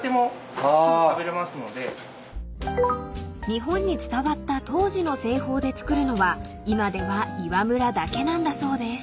［日本に伝わった当時の製法で作るのは今では岩村だけなんだそうです］